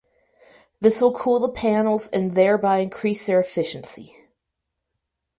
This will cool the panels and thereby increase their efficiency.